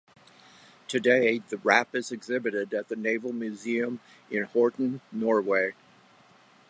Today, the "Rap" is exhibited at the Naval Museum in Horten, Norway.